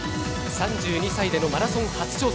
３２歳でのマラソン初挑戦。